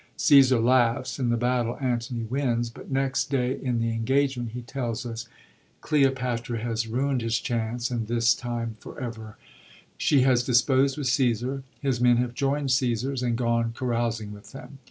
Caesar laughs. In the battle Antony wins ; but next day in the engagement, he tells us, Cleopatra has ruind 137 ANTONY AN1> CLEOPATRA CORIOLANUS his chance, and this time for ever; she has disposed with Caesar, his men have joind Caesar's, and gone carousing with them.